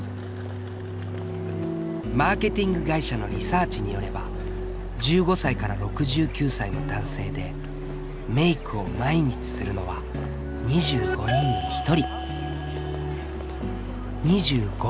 マーケティング会社のリサーチによれば１５歳６９歳の男性でメイクを毎日するのは２５人に１人。